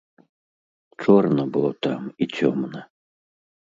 Чорна было там і цёмна.